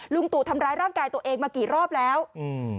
ตู่ทำร้ายร่างกายตัวเองมากี่รอบแล้วอืม